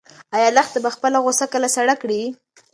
ایا لښته به خپله غوسه کله سړه کړي؟